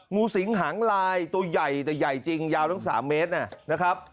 งูสิงหางลายตัวใหญ่แต่ใหญ่จริงยาวตั้ง๓เมตรนะครับ